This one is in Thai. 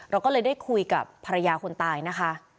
เราก็เลยได้คุยกับภรรยาคนตายนะคะ